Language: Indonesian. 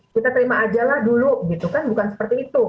kita terima ajalah dulu gitu kan bukan seperti itu